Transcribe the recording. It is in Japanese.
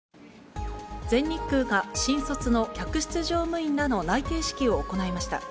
全日空が新卒の客室乗務員らの内定式を行いました。